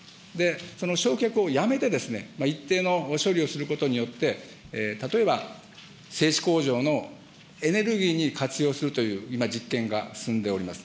その焼却をやめて、一定の処理をすることによって、例えば製紙工場のエネルギーに活用するという今、実験が進んでおります。